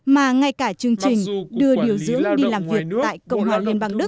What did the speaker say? mà ngay cả chương trình đưa điều dưỡng đi làm việc tại cộng hòa liên bang đức